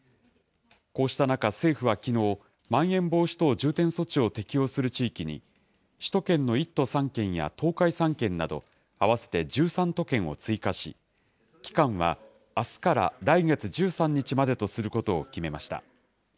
こうした中、政府はきのう、まん延防止等重点措置を適用する地域に、首都圏の１都３県や東海３県など、合わせて１３都県を追加し、期間はあすから来月１３日までとすることを決めました。